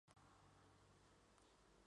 Estos tipos se denominan tipos dependientes.